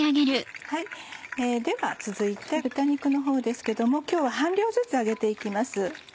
では続いて豚肉のほうですけど今日は半量ずつ揚げて行きます。